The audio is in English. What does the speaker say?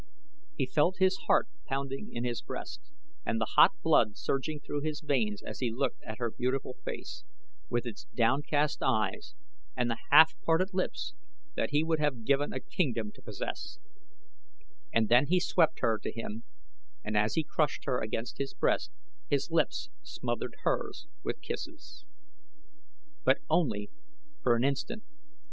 He felt his heart pounding in his breast and the hot blood surging through his veins as he looked at her beautiful face, with its downcast eyes and the half parted lips that he would have given a kingdom to possess, and then he swept her to him and as he crushed her against his breast his lips smothered hers with kisses. But only for an instant.